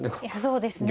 そうですね